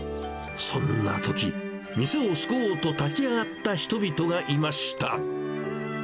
そんなとき、店を救おうと立ち上がった人々がいました。